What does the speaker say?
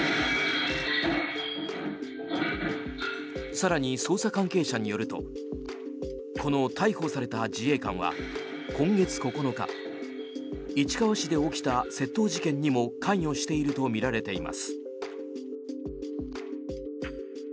更に、捜査関係者によるとこの逮捕された自衛官は今月９日、市川市で起きた窃盗事件にも関与しているとみられています。